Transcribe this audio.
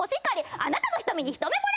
あなたの瞳にひとめぼれ！